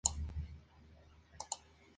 Enseña en la Universidad de Harvard.